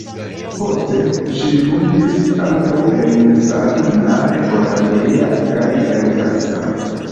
Poste ŝi ludis ankaŭ en Satu Mare, Oradea kaj en Kassa.